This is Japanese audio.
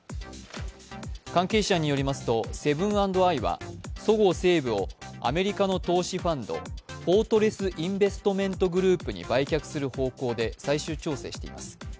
関係者によりますとセブン＆アイはそごう・西武をアメリカの投資ファンドフォートレス・インベストメント・グループに売却する方向で最終調整しています。